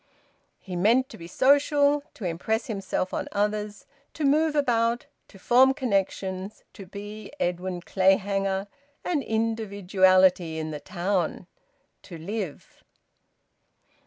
He meant to be social, to impress himself on others, to move about, to form connections, to be Edwin Clayhanger, an individuality in the town, to live.